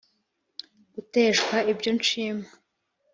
guteshwa ibyo nshima